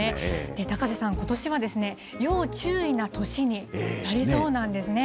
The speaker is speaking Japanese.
高瀬さん、ことしは要注意な年になりそうなんですね。